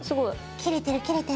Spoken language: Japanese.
切れてる！